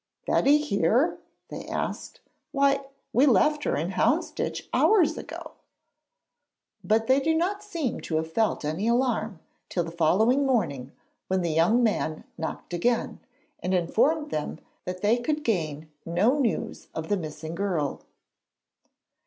'Betty here?' they asked. 'Why, we left her in Houndsditch hours ago.' But they do not seem to have felt any alarm till the following morning when the young man knocked again, and informed them that they could gain no news of the missing girl.